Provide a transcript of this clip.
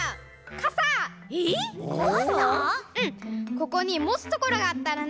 ここにもつところがあったらね。